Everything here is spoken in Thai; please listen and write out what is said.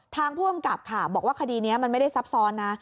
ผู้กำกับค่ะบอกว่าคดีนี้มันไม่ได้ซับซ้อนนะ